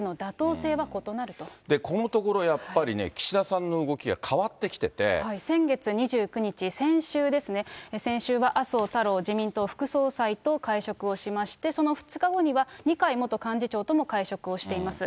このところ、やっぱりね、先月２９日、先週ですね、先週は麻生太郎自民党副総裁と会食をしまして、その２日後には、二階元幹事長とも会食をしています。